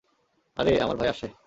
আরে, আমার ভাই আসছে।